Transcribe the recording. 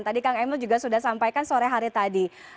tadi kang emil juga sudah sampaikan sore hari tadi